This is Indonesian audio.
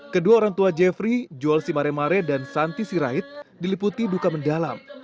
kedua orang tua jeffrey juel simaremare dan santi sirait diliputi duka mendalam